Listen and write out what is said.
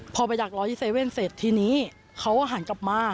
พอไปดักรอที่๗๑๑เสร็จทีนี้เขาก็หันกลับมา